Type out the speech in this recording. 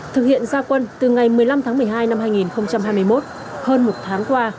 thực hiện gia quân từ ngày một mươi năm tháng một mươi hai năm hai nghìn hai mươi một hơn một tháng qua